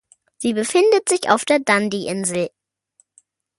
Sie befindet sich auf der Dundee-Insel.